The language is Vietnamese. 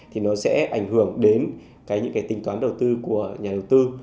thì nó sẽ ảnh hưởng đến những cái tính toán đầu tư của nhà đầu tư